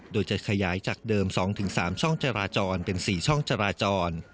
โดยจะขยายจากเดิม๒๓ช่องจราจรเป็น๔ช่องจราจร